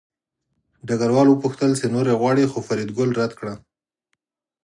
ډګروال وپوښتل چې نورې غواړې خو فریدګل رد کړه